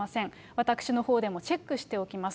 私のほうでもチェックしておきます。